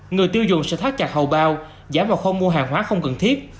người tiêu dùng sẽ thắt chặt hầu bao giảm vào khâu mua hàng hóa không cần thiết